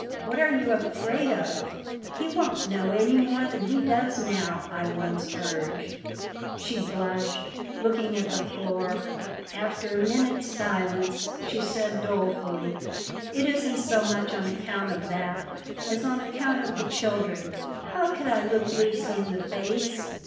"What are you afraid of? He won't know any more than he does now," I once urged. She blushed, looking at the floor. After a minute's silence she said, dolefully: "It isn't so much on account of that as on account of the children. How could I look Lucy in the face?"